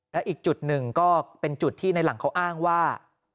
แล้วอีกจุดหนึ่งก็เป็นจุดที่ในหลังเขาอ้างว่า